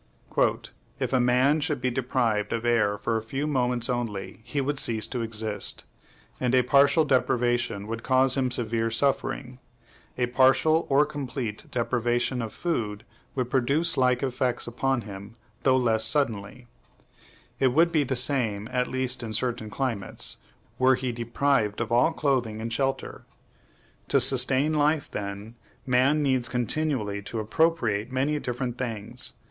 "If a man should be deprived of air for a few moments only, he would cease to exist, and a partial deprivation would cause him severe suffering; a partial or complete deprivation of food would produce like effects upon him though less suddenly; it would be the same, at least in certain climates! were he deprived of all clothing and shelter.... To sustain life, then, man needs continually to appropriate many different things.